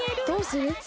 どうする？